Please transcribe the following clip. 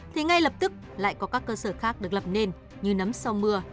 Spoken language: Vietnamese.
thì ngay lập tức lại có các cơ sở khác được lập nên như nấm sau mưa